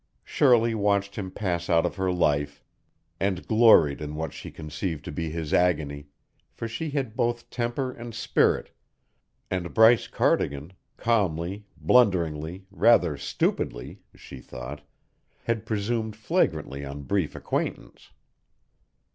Shirley watched him pass out of her life, and gloried in what she conceived to be his agony, for she had both temper and spirit, and Bryce Cardigan calmly, blunderingly, rather stupidly (she thought) had presumed flagrantly on brief acquaintance.